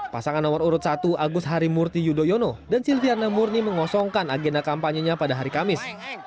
pasangan nomor urut satu agus harimurti yudhoyono dan silviana murni mengosongkan agenda kampanyenya pada hari kamis